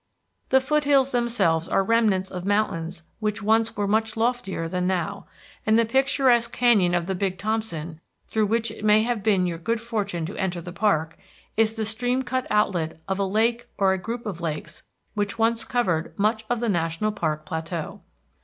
The foothills themselves are remnants of mountains which once were much loftier than now, and the picturesque canyon of the Big Thompson, through which it may have been your good fortune to enter the park, is the stream cut outlet of a lake or group of lakes which once covered much of the national park plateau.